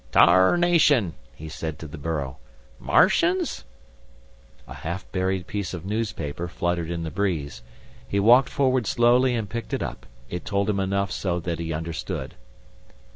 "Tarnation!" he said to the burro. "Martians?" A half buried piece of newspaper fluttered in the breeze. He walked forward slowly and picked it up. It told him enough so that he understood.